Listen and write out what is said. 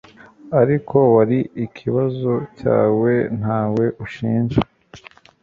Ariko wari ikibazo cyawe ntawe ushinj